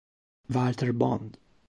Walter Bond